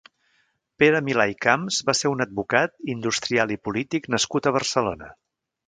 Pere Milà i Camps va ser un advocat, industrial i polític nascut a Barcelona.